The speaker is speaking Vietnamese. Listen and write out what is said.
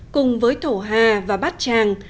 cùng với thổ hà và bát tràng